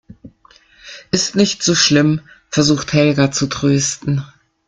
Ist nicht so schlimm, versucht Helga zu trösten.